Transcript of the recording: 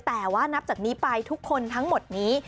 แต่ว่านับจากนี้ไปทุกคนทั้งหมดนี้